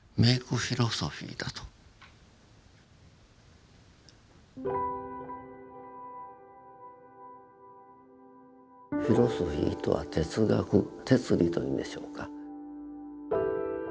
「フィロソフィー」とは「哲学」「哲理」というんでしょうか。